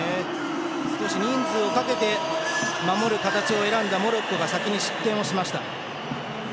人数をかけて守る形を選んだモロッコが先に失点をしました。